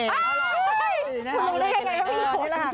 พระเธอรู้ได้ยังไงว่ามีขน